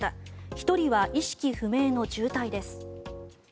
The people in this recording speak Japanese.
１人は意識不明の重体です。